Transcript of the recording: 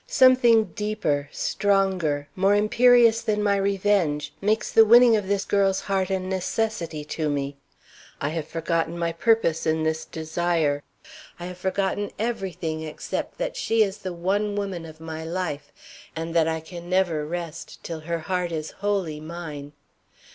Something deeper, stronger, more imperious than my revenge makes the winning of this girl's heart a necessity to me. I have forgotten my purpose in this desire. I have forgotten everything except that she is the one woman of my life, and that I can never rest till her heart is wholly mine.